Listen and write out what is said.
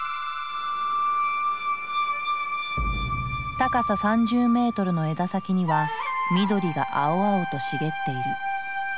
高さ３０メートルの枝先には緑が青々と茂っている。